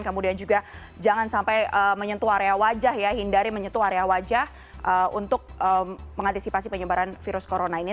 kemudian juga jangan sampai menyentuh area wajah ya hindari menyentuh area wajah untuk mengantisipasi penyebaran virus corona ini